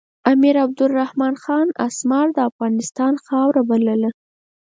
امیر عبدالرحمن خان اسمار د افغانستان خاوره بلله.